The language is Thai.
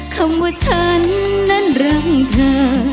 คำว่าฉันนั้นรักเธอ